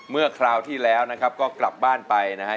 คราวที่แล้วนะครับก็กลับบ้านไปนะฮะ